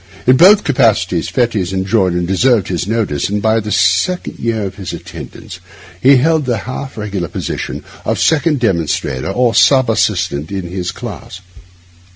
In both capacities Fettes enjoyed and deserved his notice, and by the second year of his attendance he held the half regular position of second demonstrator or sub assistant in his class.